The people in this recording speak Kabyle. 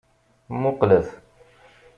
Muqqlet.